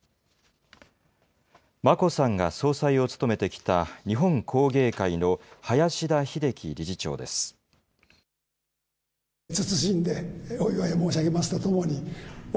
眞子さんが総裁を務めてきた、日本工芸会の林田英樹理事長です。